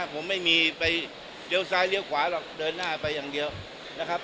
ผมไม่มีไปเลี้ยวซ้ายเลี้ยวขวาหรอกเดินหน้าไปอย่างเดียวนะครับ